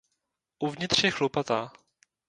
Uvnitř je chlupatá.